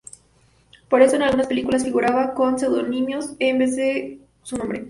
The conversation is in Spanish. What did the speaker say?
Por eso, en algunas películas figura con seudónimos en vez de con su nombre.